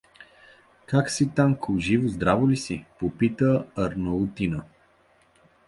— Как си, Танко, живо-здраво ли си? — попита го Арнаутина.